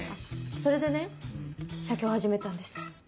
それでね写経を始めたんです。